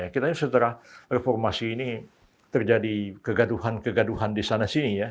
kita setelah reformasi ini terjadi kegaduhan kegaduhan di sana sini ya